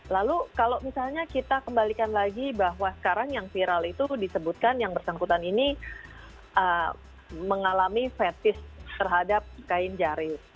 lalu kalau misalnya kita kembalikan lagi bahwa sekarang yang viral itu disebutkan yang bersangkutan ini mengalami fetis terhadap kain jari